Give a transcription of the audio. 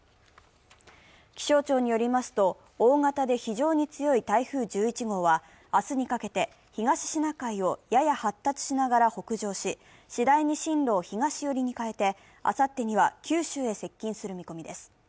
気象庁によりますと、大型で非常に強い台風１１号は、明日にかけて東シナ海をやや発達しながら北上し、次第に進路を東寄りに変えて、あさってには、九州へ接近する見込みです。